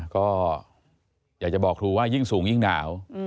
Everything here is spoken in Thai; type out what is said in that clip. ก็อยากจะบอกครูว่ายิ่งสูงยิ่งหนาว